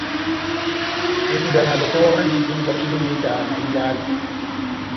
Ebunja na Lɔh᷅ɔkɔ bandi jomu já kilometa ilálo.